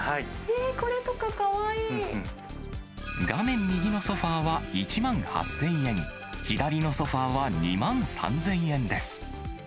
画面右のソファーは１万８０００円、左のソファーは２万３０００円です。